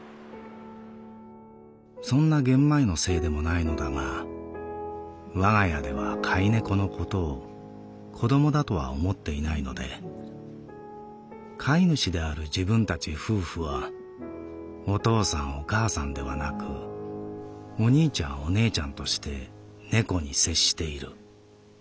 「そんなゲンマイのせいでもないのだが我が家では飼い猫のことを『子ども』だとは思っていないので飼い主である自分たち夫婦は『お父さんお母さん』ではなく『お兄ちゃんお姉ちゃん』として猫に接している」。